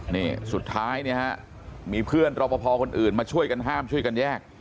นี่สุดท้ายเนี่ยฮะมีเพื่อนรอปภคนอื่นมาช่วยกันห้ามช่วยกันแยก